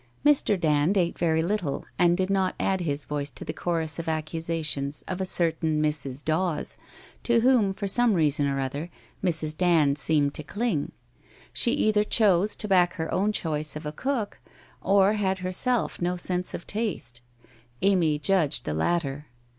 Mr. Dand ate very little, and did not add his voice to the chorus of accusation of a certain Mrs. Dawes, to whom, for some reason or other, Mrs. Dand seemed to cling. She either chose to back her own choice of a cook, or had herself no sense of taste. Amy judged the latter.